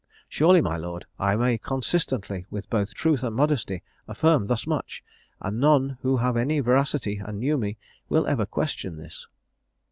Surely, my lord, I may, consistently with both truth and modesty, affirm thus much; and none who have any veracity and knew me, will ever question this.